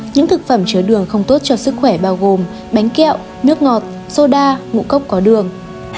những thực phẩm chứa đường không tốt cho sức khỏe bao gồm bánh kẹo nước ngọt xô đa ngũ cốc có đường